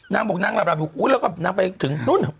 นางบุกน่ะอุ๊ยแล้วก็นั่งไปถึงนู้น